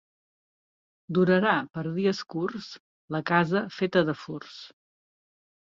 Durarà per dies curts la casa feta de furts.